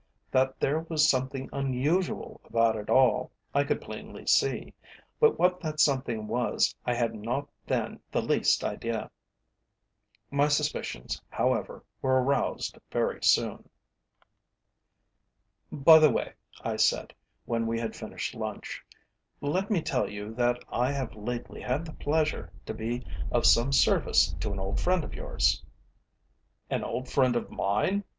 That there was something unusual about it all I could plainly see, but what that something was I had not then the least idea. My suspicions, however, were aroused very soon. "By the way," I said, when we had finished lunch, "let me tell you that I have lately had the pleasure to be of some service to an old friend of yours." "An old friend of mine?"